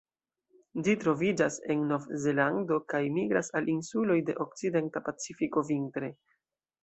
Ĝi troviĝas en Novzelando, kaj migras al insuloj de okcidenta Pacifiko vintre.